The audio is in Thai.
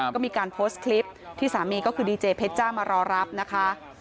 ก็มีการโพสต์คลิปที่สามีก็คือดีเจเพชรจ้ามารอรับนะคะ